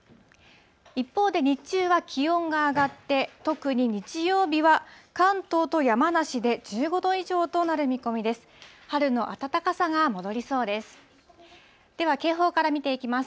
一方で、日中は気温が上がって、特に日曜日は関東と山梨で１５度以上となる見込みです。